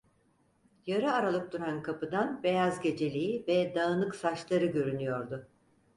Yarı aralık duran kapıdan beyaz geceliği ve dağınık saçları görünüyordu.